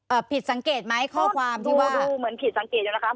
ผิดสังเกตไหมข้อความที่ว่าดูเหมือนผิดสังเกตอยู่แล้วครับ